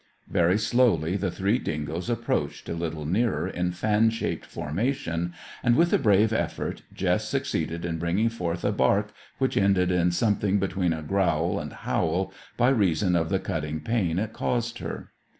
Very slowly the three dingoes approached a little nearer in fan shaped formation, and, with a brave effort, Jess succeeded in bringing forth a bark which ended in something between growl and howl, by reason of the cutting pain it caused her.